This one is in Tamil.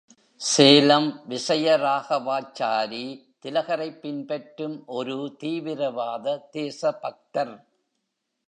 சேலம் விசயராகவாச்சாரி திலகரைப் பின்பற்றும் ஒரு தீவிரவாத தேசபக்தர்.